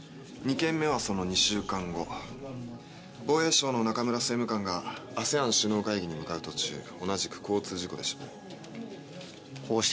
２件目はその２週間後防衛省の中村政務官がＡＳＥＡＮ首脳会議に向かう途中同じく交通事故で死亡。